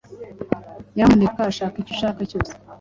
Nyamuneka shaka icyo ushaka cyose.